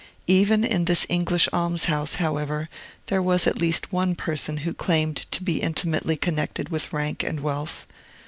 Even in this English almshouse, however, there was at least one person who claimed to be intimately connected with rank and wealth.